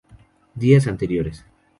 Días anteriores